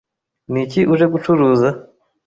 Ni iki uje gucuruza